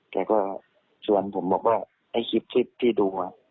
แกก็ชวนผมบอกว่าไอ้คลิปที่ดู